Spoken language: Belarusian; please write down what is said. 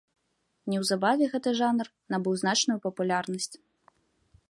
Неўзабаве гэты жанр набыў значную папулярнасць.